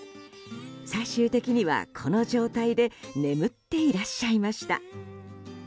最終的には、この状態で眠っていらっしゃいました。